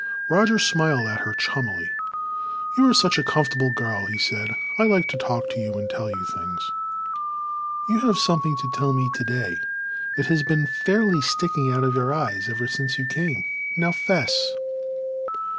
Roger smiled at her chummily. "You are such a comfortable girl," he said. "I like to talk to you and tell you things." "You have something to tell me today. It has been fairly sticking out of your eyes ever since you came. Now, 'fess."